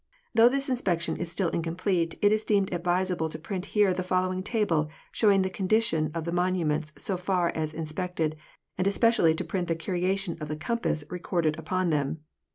Though this inspection is still incomplete, it is deemed advisable to print here the following table, showing the condi tion of the monuments so far as inspected, and especially to print the variation of the compass recorded upon them.